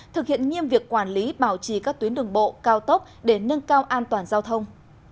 thực hiện nghiêm việc quản lý bảo trì các tuyến đường bộ cao tốc để nâng cao an toàn giao thông